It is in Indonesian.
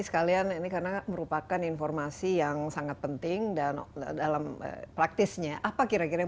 sekalian ini karena merupakan informasi yang sangat penting dan dalam praktisnya apa kira kira